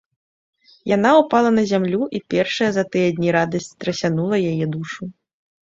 Яна ўпала на зямлю, і першая за тыя дні радасць страсянула яе душу.